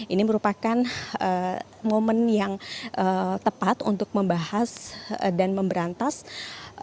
ini merupakan momen yang tepat untuk membahas tentang pekerja migran indonesia